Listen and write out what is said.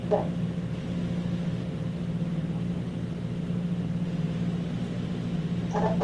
তারা বলল, পিতা!